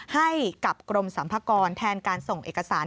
ให้กับกรมสัมภากรแทนการส่งเอกสาร